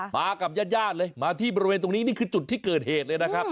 กับญาติญาติเลยมาที่บริเวณตรงนี้นี่คือจุดที่เกิดเหตุเลยนะครับ